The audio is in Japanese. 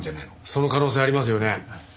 その可能性ありますよね。